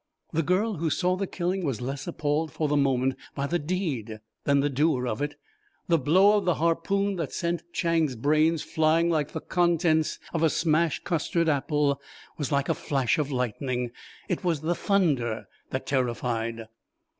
The girl who saw the killing was less appalled for the moment by the deed than the doer of it. The blow of the harpoon that sent Chang's brains flying like the contents of a smashed custard apple was like a flash of lightning, it was the thunder that terrified.